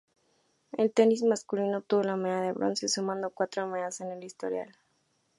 El tenis masculino obtuvo la medalla de bronce sumando cuatro medallas en el historial.